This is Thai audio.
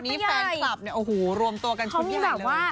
อันนี้แฟนคลับรวมตัวกันชุดใหญ่เลย